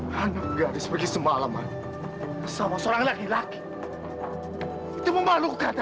karena enggak seperti semalam sama seorang laki laki itu memalukan